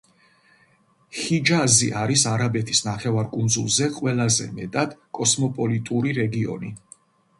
ჰიჯაზი არის არაბეთის ნახევარკუნძულზე ყველაზე მეტად კოსმოპოლიტური რეგიონი.